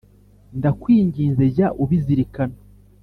Ndakwinginze jya ubizirikana.